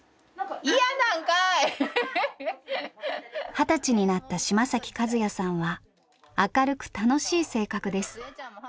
二十歳になった島崎和也さんは明るく楽しい性格です。